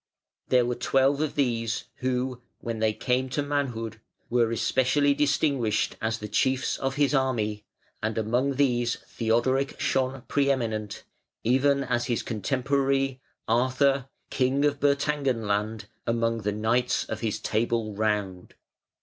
There were twelve of these who, when they came to manhood, were especially distinguished as the chiefs of his army, and among these Theodoric shone pre eminent, even as his contemporary, Arthur, king of Bertangenland, among the Knights of his Table Round.